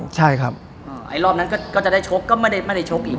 ใช่ครับไอ้รอบนั้นก็จะได้ชกก็ไม่ได้ชกอีก